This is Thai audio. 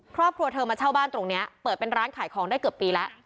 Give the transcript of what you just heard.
ครอบครัวเธอมาเช่าบ้านตรงนี้เปิดเป็นร้านขายของได้เกือบปีแล้ว